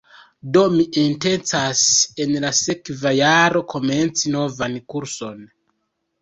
Do mi intencas en la sekva jaro komenci novan kurson